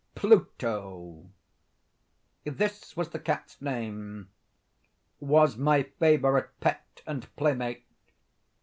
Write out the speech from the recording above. Pluto—this was the cat's name—was my favorite pet and playmate.